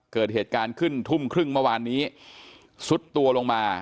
เกิดเหตุการณ์ขึ้นทุ่มครึ่งเมื่อวานนี้ซุดตัวลงมา